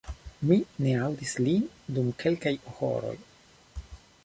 Mi ne aŭdis lin dum kelkaj horoj